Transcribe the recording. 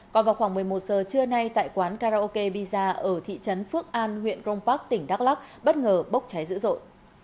còn vào khoảng một mươi một giờ trưa nay tại quán karaoke pizza ở thị trấn phước an huyện grong park tỉnh đắk lắc bất ngờ bốc cháy dữ dội